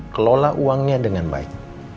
kelola uangnya dengan baik